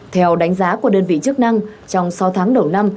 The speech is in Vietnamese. theo đánh giá của đơn vị chức năng trong sáu tháng đầu năm